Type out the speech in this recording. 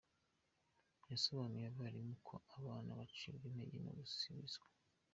Yasobanuriye abarimu ko abana bacibwa intege no gusibizwa.